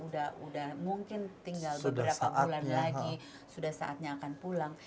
udah mungkin tinggal beberapa bulan lagi sudah saatnya akan pulang